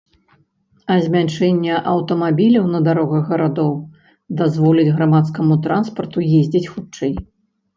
А змяншэнне аўтамабіляў на дарогах гарадоў дазволіць грамадскаму транспарту ездзіць хутчэй.